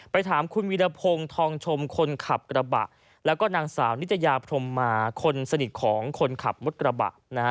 ถามคุณวีรพงศ์ทองชมคนขับกระบะแล้วก็นางสาวนิตยาพรมมาคนสนิทของคนขับรถกระบะนะฮะ